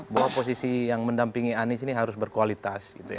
bahwa posisi yang mendampingi anies ini harus berkualitas